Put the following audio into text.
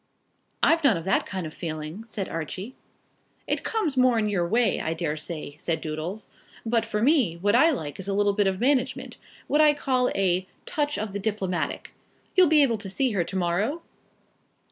"I've none of that kind of feeling," said Archie. "It comes more in your way, I daresay," said Doodles. "But for me, what I like is a little bit of management, what I call a touch of the diplomatic. You'll be able to see her to morrow?"